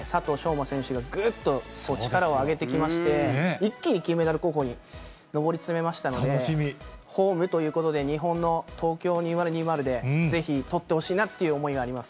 馬選手がぐっと力を上げてきまして、一気に金メダル候補に上り詰めましたので、ホームということで、日本のＴＯＫＹＯ２０２０でぜひとってほしいなっていう思いがあ